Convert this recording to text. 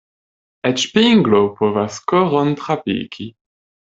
Eĉ pinglo povas koron trapiki.